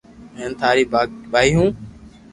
ھين ٽاري بائي ھون